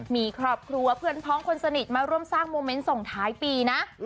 มีครอบครัวเพื่อนพ้องคนสนิทมาร่วมสร้างโมเมนต์ส่งท้ายปีนะ